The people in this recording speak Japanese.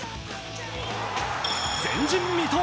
前人未到！